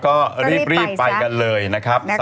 ก็รีบรีบไปกันเลยนะครับก็รีบไปซะ